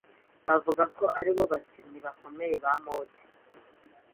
bavuga ko ari bo bakinnyi bakomeye ba mode